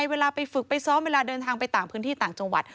เวลาไปฝึกไปซ้อมเวลาเดินทางไปต่างพื้นที่ต่างจังหวัด